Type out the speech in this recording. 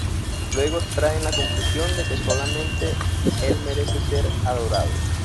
Luego extraen la conclusión de que solamente El merece ser adorado.